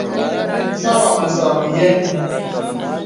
Sɔbɔ̄ mə sɔ̄ bìyɛ yìnə̀.